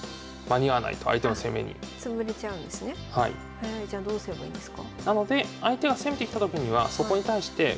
へえじゃどうすればいいんですか？